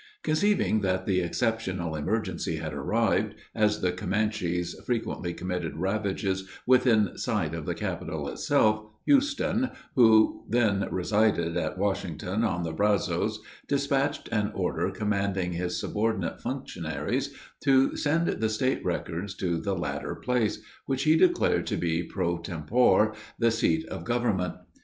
Conceiving that the exceptional emergency had arrived, as the Camanches frequently committed ravages within sight of the capital itself, Houston, who then resided at Washington, on the Brazos, dispatched an order commanding his subordinate functionaries to send the state records to the latter place, which he declared to be, pro tempore, the seat of government.